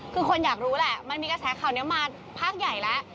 คือคนอยากรู้แหละมันมีกระแสข่าวนี้มาภาคใหญ่แล้ว